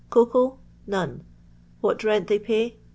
Cocoa 1 — None. What rent they pay?